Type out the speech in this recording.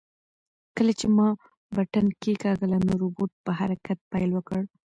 کله چې ما بټن کېکاږله نو روبوټ په حرکت پیل وکړ.